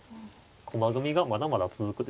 駒組みがまだまだ続くでしょう。